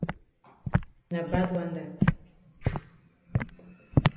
Na bad wan dat.